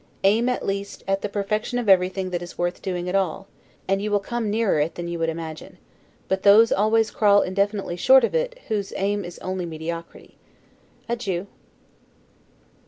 Aim at least at the perfection of everything that is worth doing at all; and you will come nearer it than you would imagine; but those always crawl infinitely short of it whose aim is only mediocrity. Adieu.